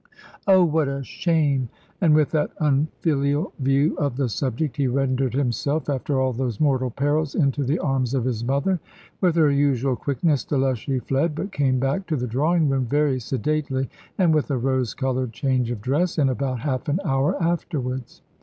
"Oh, what a shame!" And with that unfilial view of the subject, he rendered himself, after all those mortal perils, into the arms of his mother. With her usual quickness Delushy fled, but came back to the drawing room very sedately, and with a rose coloured change of dress, in about half an hour afterwards.